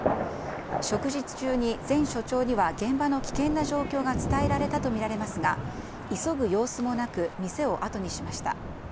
食事中に前署長には現場の危険な状況が伝えられたと見られますが、急ぐ様子もなく、店を後にしました。